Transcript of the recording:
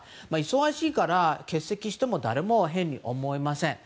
忙しいから欠席しても誰も変に思いません。